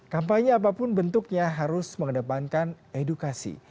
kampanye apapun bentuknya harus mengedepankan edukasi